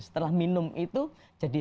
setelah minum itu jadi